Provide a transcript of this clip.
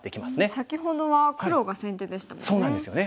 先ほどは黒が先手でしたもんね。